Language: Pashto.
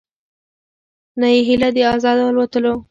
نه یې هیله د آزادو الوتلو